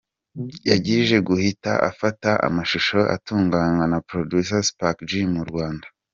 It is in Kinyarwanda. Yaje guhita afata amashusho atunganywa na Producer Spark G mu Rwanda.